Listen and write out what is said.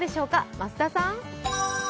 増田さん。